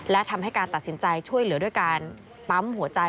และทำให้การตัดสินใจช่วยเหลือด้วยการปั๊มหัวใจ